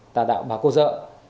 tà đạo bà cô dợ